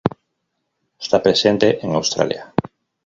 Está presente en Australia.